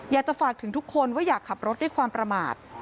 อยากจะฝากถึงทุกคนว่าอยากขับรถด้วยความประมาท